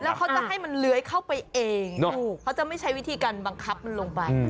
แล้วเขาจะให้มันเลื้อยเข้าไปเองเขาจะไม่ใช้วิธีการบังคับมันลงไป